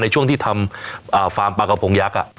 ช่วงที่ทำฟาร์มปลากระพงยักษ์